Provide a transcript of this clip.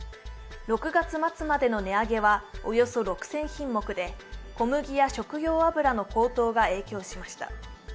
６月末までの値上げはおよそ６０００品目で小麦や食用油の高騰が影響しました。